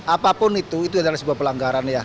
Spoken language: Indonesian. apapun itu itu adalah sebuah pelanggaran ya